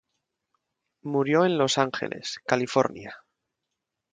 Murió en Los Ángeles, California.